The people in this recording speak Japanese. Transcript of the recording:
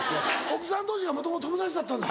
奥さん同士がもともと友達だったんだ。